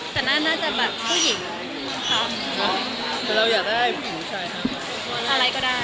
แต่นั่นแน่น่าจะต้องยิน